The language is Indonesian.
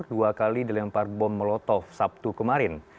dua kali dilempar bom molotov sabtu kemarin